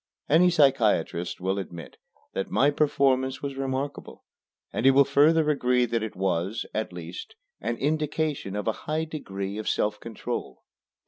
Any psychiatrist will admit that my performance was remarkable, and he will further agree that it was, at least, an indication of a high degree of self control.